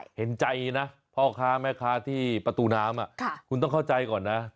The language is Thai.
เห็นใจนะพ่อค้าแม่ค้าที่ประตูน้ำคุณต้องเข้าใจก่อนนะ